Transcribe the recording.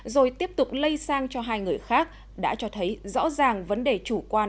rồi tiếp tục lây sang cho hai người khác đã cho thấy rõ ràng vấn đề chủ quan